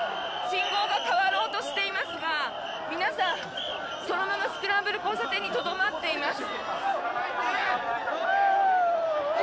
信号が変わろうとしていますが皆さん、そのままスクランブル交差点にとどまっています。